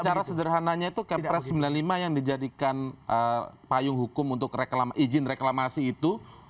secara sederhananya itu kepres sembilan puluh lima yang dijadikan payung hukum untuk izin reklamasi itu